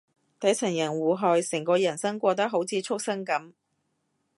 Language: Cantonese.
底層人互害，成個人生過得好似畜生噉